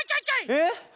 えっ？